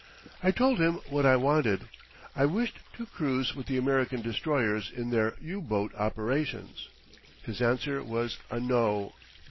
I told him what I wanted. I wished to cruise with the American destroyers in their U boat operations. His answer was a No!